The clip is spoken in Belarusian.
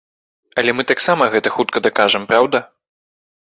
Але мы таксама гэта хутка дакажам, праўда?